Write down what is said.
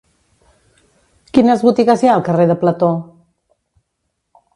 Quines botigues hi ha al carrer de Plató?